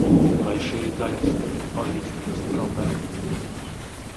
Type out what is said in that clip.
Vai šīs daļas tev ir pazīstamas, Trobel?